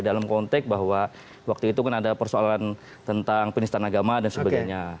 dalam konteks bahwa waktu itu kan ada persoalan tentang penistan agama dan sebagainya